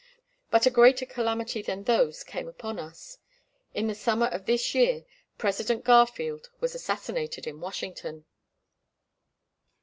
But a greater calamity than those came upon us; in the summer of this year President Garfield was assassinated in Washington.